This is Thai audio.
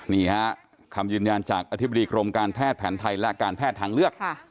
นี่ฮะคำยืนยันจากอธิบดีกรมการแพทย์แผนไทยและการแพทย์ทางเลือก